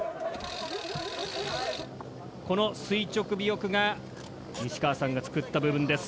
この垂直尾翼が西川さんが作った部分です。